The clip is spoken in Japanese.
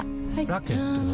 ラケットは？